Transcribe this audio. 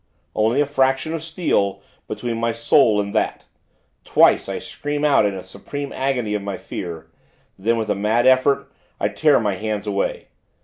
Only a fraction of steel, between my soul and That. Twice, I scream out in the supreme agony of my fear; then, with a mad effort, I tear my hands away.